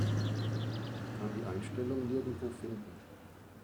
Ich kann die Einstellung nirgendwo finden.